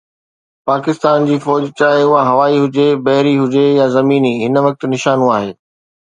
پاڪستان جي فوج، چاهي اها هوائي هجي، بحري هجي يا زميني، هن وقت نشانو آهي.